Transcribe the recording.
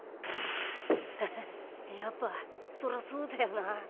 ハハやっぱそりゃそうだよな。